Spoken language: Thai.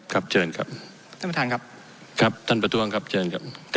ครับเชิญครับท่านประธานครับครับท่านประท้วงครับเชิญครับ